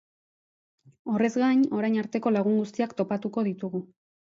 Horrez gain, orain arteko lagun guztiak topatuko ditugu.